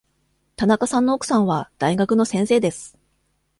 田中さんの奥さんは大学の先生です。